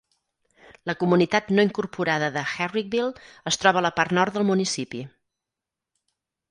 La comunitat no incorporada de Herrickville es troba a la part nord del municipi.